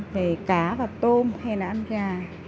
về cá và tôm hay là ăn gà